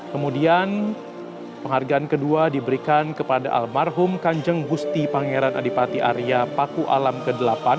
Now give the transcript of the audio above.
kemudian penghargaan kedua diberikan kepada almarhum kanjeng gusti pangeran adipati arya paku alam ke delapan